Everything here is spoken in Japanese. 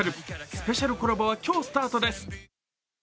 スペシャルコラボは今日スタートです。